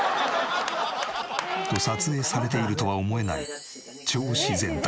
と撮影されているとは思えない超自然体。